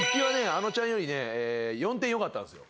あのちゃんよりね４点よかったんすよ。